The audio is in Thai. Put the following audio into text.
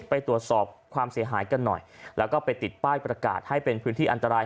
ไปตรวจสอบความเสียหายกันหน่อยแล้วก็ไปติดป้ายประกาศให้เป็นพื้นที่อันตราย